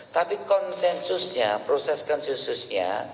tapi konsensusnya proses konsensusnya